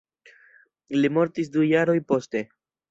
Li mortis du jaroj poste.